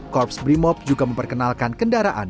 korps brimob juga memperkenalkan kendaraan